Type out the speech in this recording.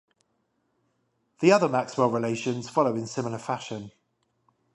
The other Maxwell relations follow in similar fashion.